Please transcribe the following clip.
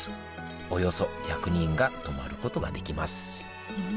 およそ１００人が泊まることができます